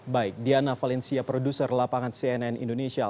baik diana valencia produser lapangan cnn indonesia